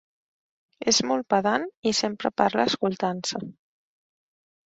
És molt pedant i sempre parla escoltant-se.